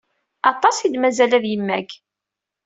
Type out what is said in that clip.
Aṭas i d-mazal ad yemmag!